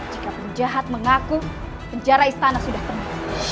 jika penjahat mengaku penjara istana sudah penuh